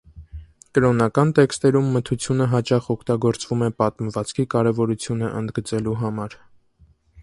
Կրոնական տեքստերում մթությունը հաճախ օգտագործվում է, պատմվածքի կարևորությունը ընդգծելու համար։